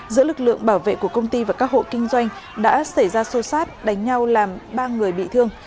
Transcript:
giữa lực lượng bảo vệ của công ty và các hộ kinh doanh đã xảy ra xô xát đánh nhau làm ba người bị thương